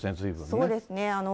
そうですね。